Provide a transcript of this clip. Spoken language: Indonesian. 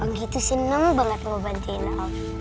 anggi tuh seneng banget mau bantuin om